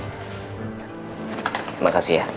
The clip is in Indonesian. terima kasih ya